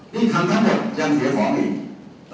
นี่ทำทั้งหมดยังเสียของอีก